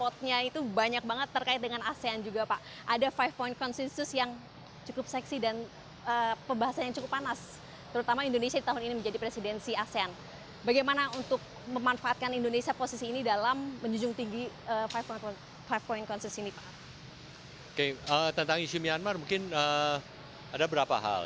tentang isu myanmar mungkin ada berapa hal